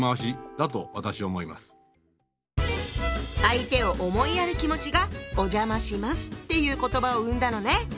相手を思いやる気持ちが「お邪魔します」っていう言葉を生んだのね。